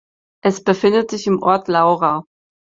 Es befindet sich im Ort Laura.